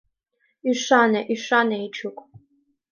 Ӱшане, ӱшане, Эчук.